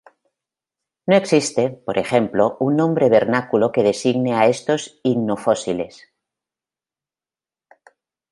No existe, por ejemplo un nombre vernáculo que designe a estos icnofósiles.